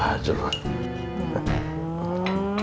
anya yang berat dia nangis